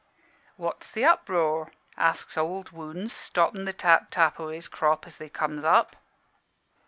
"'What's the uproar?' asks Ould Wounds, stoppin' the tap tap o' his crop, as they comes up.